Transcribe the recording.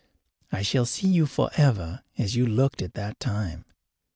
I shall see you forever as you looked at that time.